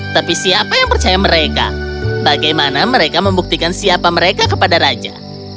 tapi siapa yang percaya mereka bagaimana mereka membuktikan siapa mereka kepada raja